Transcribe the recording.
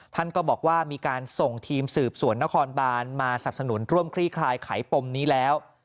ท่านก็บอกว่ามีการส่งทีมสืบสวนนครบานมาสนับสนุนร่วมคลี่คลายไขปมนี้แล้ว